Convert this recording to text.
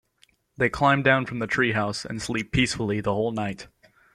They climb down from the treehouse and sleep peacefully the whole night.